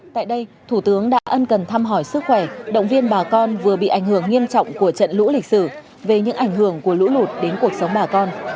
tại đây thủ tướng đã ân cần thăm hỏi sức khỏe động viên bà con vừa bị ảnh hưởng nghiêm trọng của trận lũ lịch sử về những ảnh hưởng của lũ lụt đến cuộc sống bà con